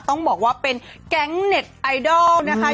ต้องบอกว่าเป็นแก๊งเน็ตไอดอลนะคะ